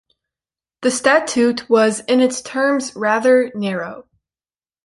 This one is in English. The statute was in its terms rather narrow.